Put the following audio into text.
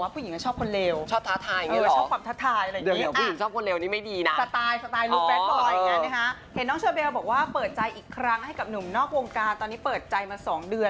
ผู้หญิงเขาบอกว่าชอบคนเลว